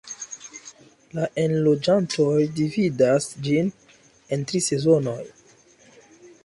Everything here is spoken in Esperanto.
La enloĝantoj dividas ĝin en tri sezonoj.